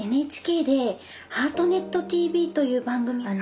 ＮＨＫで「ハートネットＴＶ」という番組を。